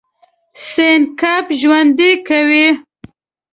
سیند کب ژوندی کوي.